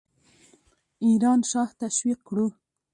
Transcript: ایران شاه تشویق کړو.